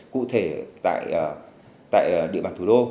cụ thể tại địa bàn thủ đô